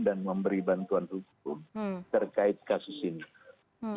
dan memberi bantuan hukum terkait kasus ini